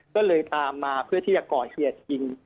ก็เลยตามมาเพื่อที่จะก่อเหตุยิง